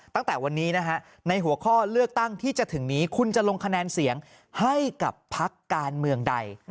ตั้งแต่วันนี้นะฮะในหัวข้อเลือกตั้งที่จะถึงนี้คุณจะลงคะแนนเสียงให้กับพักการเมืองใด